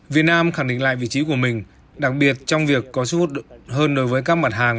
việt nam khẳng định lại vị trí của mình đặc biệt trong việc có sức hút hơn đối với các mặt hàng